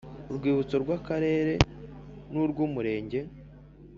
urwibutso rw Akarere n urw Umurenge